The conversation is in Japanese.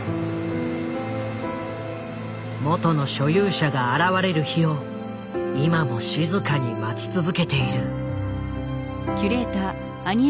元の所有者が現れる日を今も静かに待ち続けている。